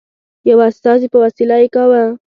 یوه استازي په وسیله یې کاوه.